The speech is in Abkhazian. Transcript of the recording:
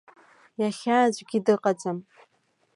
Иахьа аӡәгьы дыҟаӡам…